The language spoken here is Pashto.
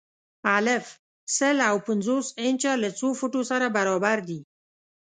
الف: سل او پنځوس انچه له څو فوټو سره برابر دي؟